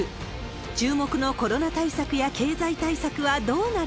注目のコロナ対策や経済対策はどうなる？